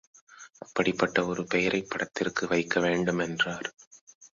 அப்படிப்பட்ட ஒரு பெயரைப் படத்திற்கு வைக்கவேண்டுமென்றார்.